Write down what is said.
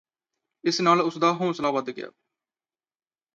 ਇਸ ਨਾਲ ਉਸਦਾ ਹੌਂਸਲਾ ਵਧ ਗਿਆ